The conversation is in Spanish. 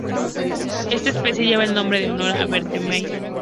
Esta especie lleva el nombre en honor a Bernhard Meier.